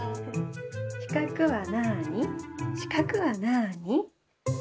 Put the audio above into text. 「しかくはなあにしかくはなあに」。